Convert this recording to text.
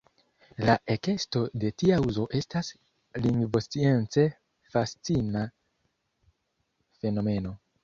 La ekesto de tia uzo estas lingvoscience fascina fenomeno.